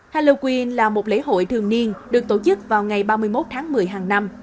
halloween là một lễ hội thường niên được tổ chức vào ngày ba mươi một tháng một mươi hàng năm